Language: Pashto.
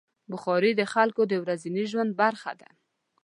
بخاري د خلکو د ورځني ژوند برخه ده.